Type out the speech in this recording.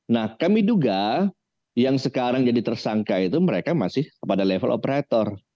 nah kami duga yang sekarang jadi tersangka itu mereka masih pada level operator